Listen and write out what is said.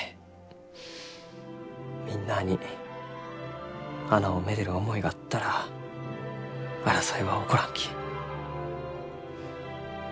みんなあに花をめでる思いがあったら争いは起こらんき。